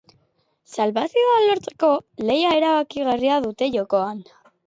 Salbazioa lortzeko lehia erabakigarria dute jokoan.